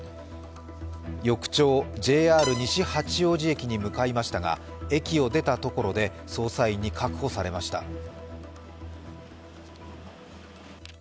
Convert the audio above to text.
翌朝、ＪＲ西八王子駅に向かいましたが駅を出たところで捜査員に確保されました。